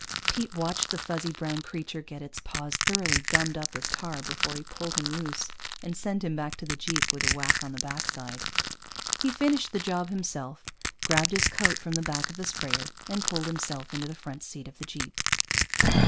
Pete watched the fuzzy brown creature get its paws thoroughly gummed up with tar before he pulled him loose and sent him back to the jeep with a whack on the backside. He finished the job himself, grabbed his coat from the back of the sprayer, and pulled himself into the front seat of the jeep.